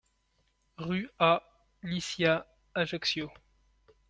Rue A Liscia, Ajaccio